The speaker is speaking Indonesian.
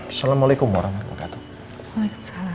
assalamualaikum warahmatullahi wabarakatuh